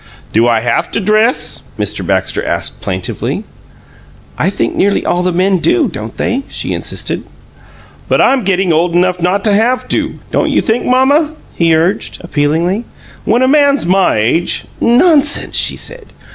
"Do I have to dress?" Mr. Baxter asked, plaintively. "I think nearly all the men do, don't they?" she insisted. "But I'm getting old enough not to have to, don't you think, mamma?" he urged, appealingly. "When a man's my age " "Nonsense!" she said.